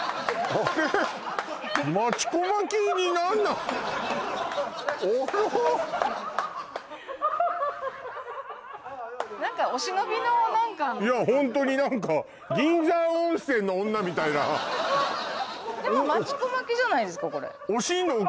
あらっ何かお忍びの何かいやホントに何かみたいなでも真知子巻きじゃないですか